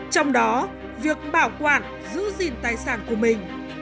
trong đó việc bảo quản giữ gìn tài sản của mình